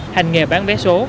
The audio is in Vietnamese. hành nghề bán vé số